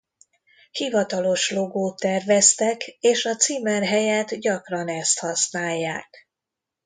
Hivatalos logót terveztek és a címer helyett gyakran ezt használják.